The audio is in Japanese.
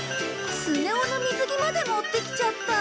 スネ夫の水着まで持ってきちゃった。